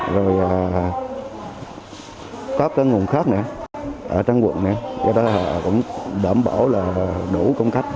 rồi có các nguồn khác nè ở các quận nè do đó cũng đảm bảo là đủ công khách